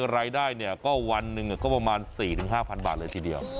รายได้ก็วันหนึ่งก็ประมาณ๔๕๐๐บาทเลยทีเดียว